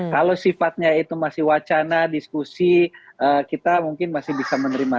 kalau sifatnya itu masih wacana diskusi kita mungkin masih bisa menerima